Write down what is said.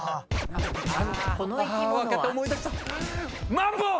マンボウ！